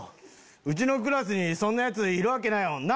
うちのクラスにそんなヤツいるわけないもんな？